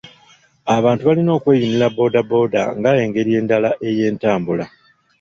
Abantu balina okweyunira bbooda bbooda nga engeri endala ey'entambula